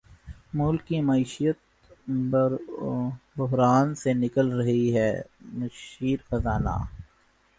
ملک کی معیشت بحران سے نکل رہی ہے مشیر خزانہ